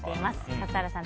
笠原さん